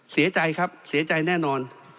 เสียใจครับเสียใจแน่นอน